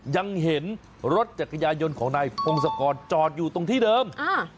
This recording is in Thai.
ยังเห็นรถจักรยายนต์ของนายพงศกรจอดอยู่ตรงที่เดิมอ่า